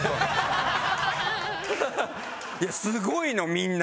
いやすごいのみんな！